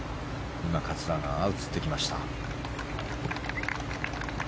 桂川が映ってきました。